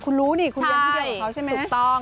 คุณรู้นี่คุณเรียนที่เดียวของเขาใช่ไหมถูกต้อง